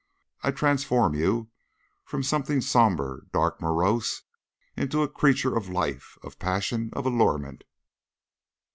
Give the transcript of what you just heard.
I transform you from something somber, dark, morose, into a creature of life, of passion, of allurement."